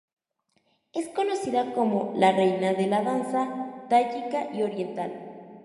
Es conocida como como la "Reina de la Danza Tayika y Oriental.